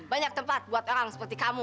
banyak tempat buat orang seperti kamu